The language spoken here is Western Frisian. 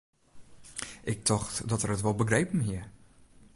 Ik tocht dat er it wol begrepen hie.